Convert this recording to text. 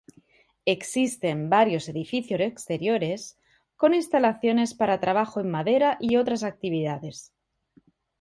Existen varios edificios exteriores, con instalaciones para trabajo en madera y otras actividades.